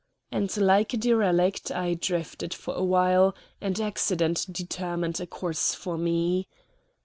And like a derelict I drifted for a while, and accident determined a course for me.